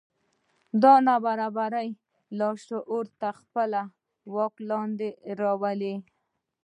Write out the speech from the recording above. دا ناببره لاشعور تر خپلې ولکې لاندې راولي